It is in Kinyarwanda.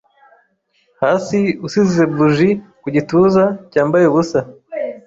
hasi, usize buji ku gituza cyambaye ubusa;